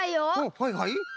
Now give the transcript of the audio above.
はいはい。